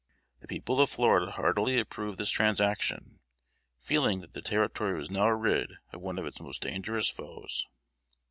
The people of Florida heartily approved this transaction, feeling that the Territory was now rid of one of its most dangerous foes.